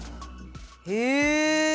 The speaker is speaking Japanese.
へえ。